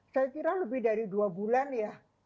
saya kira lebih dari dua bulan ya